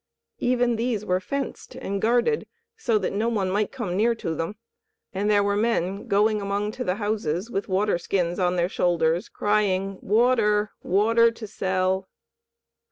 Even these were fenced and guarded so that no one might come near to them, and there were men going among to the houses with water skins on their shoulders, crying "Water! Water to sell!"